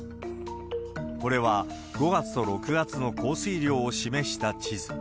これは、５月と６月の降水量を示した地図。